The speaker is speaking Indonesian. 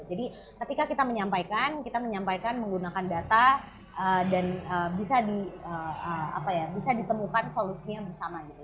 jadi ketika kita menyampaikan kita menyampaikan menggunakan data dan bisa ditemukan solusinya bersama gitu